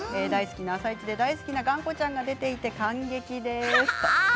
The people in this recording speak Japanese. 大好きな「あさイチ」で大好きながんこちゃんが出ていて感激です。